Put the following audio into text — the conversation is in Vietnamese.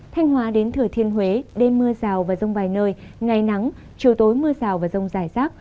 thành hóa đến thửa thiên huế đêm mưa rào và rông vài nơi ngày nắng chiều tối mưa rào và rông dài rác